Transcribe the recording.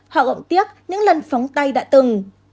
họ gọng tiếc những lần phóng tay đã từng